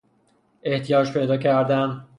احتیاج پیدا کردن